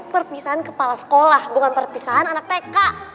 perpisahan kepala sekolah bukan perpisahan anak tk